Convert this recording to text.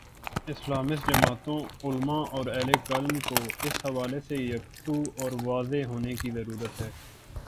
Islamist جماعتوں، علما اور اہل قلم کو اس حوالے سے یکسو اور واضح ہونے کی ضرورت ہے۔